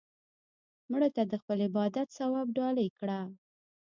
مړه ته د خپل عبادت ثواب ډالۍ کړه